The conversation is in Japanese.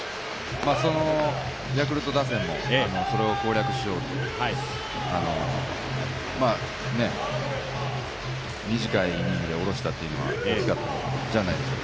そのヤクルト打線もそれを攻略しようと、短いイニングで降ろしたというのは大きかったんじゃないかと。